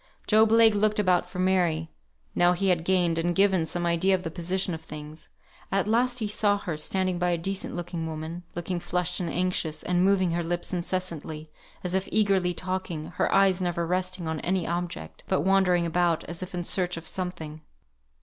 Job Legh looked about for Mary, now he had gained, and given, some idea of the position of things. At last he saw her, standing by a decent looking woman, looking flushed and anxious, and moving her lips incessantly, as if eagerly talking; her eyes never resting on any object, but wandering about as if in search of something.